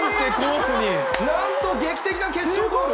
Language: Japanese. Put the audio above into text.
なんと劇的な決勝ゴール。